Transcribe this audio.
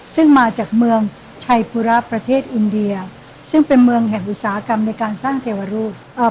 ซึ่งมาจากเมืองชัยภูระประเทศอินเดียซึ่งเป็นเมืองแห่งอุตสาหกรรมในการสร้างเทวรูปเอ่อ